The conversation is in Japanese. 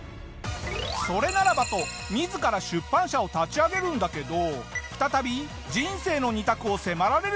それならばと自ら出版社を立ち上げるんだけど再び人生の２択を迫られるぞ！